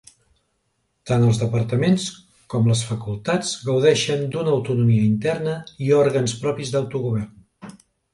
Tant els departaments com les facultats gaudeixen d'una autonomia interna i òrgans propis d'autogovern.